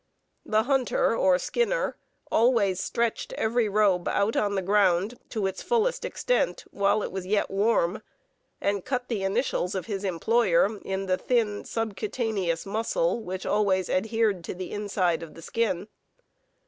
The hunter, or skinner, always stretched every robe out on the ground to its fullest extent while it was yet warm, and cut the initials of his employer in the thin subcutaneous muscle which always adhered to the inside of the skin.